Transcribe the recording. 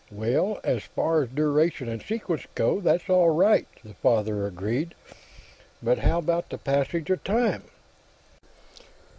"Well, as far as duration and sequence go, that's all right," the father agreed. "But how about the 'Passage of Time'?"